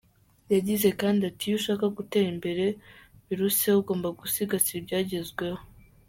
Yagize kandi ati,"Iyo ushaka gutera imbere biruseho ugomba gusigasira ibyagezweho.